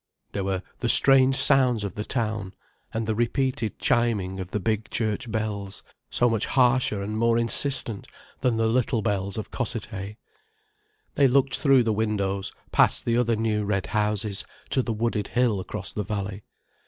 There were the strange sounds of the town, and the repeated chiming of the big church bells, so much harsher and more insistent than the little bells of Cossethay. They looked through the windows past the other new red houses to the wooded hill across the valley.